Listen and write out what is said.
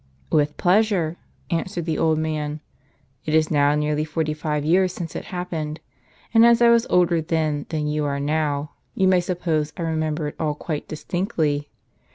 " With pleasure," answered the old man. " It is now nearly forty five years since it happened,* and as I was older then than you are now, you may suppose I remember all quite dis tinctly.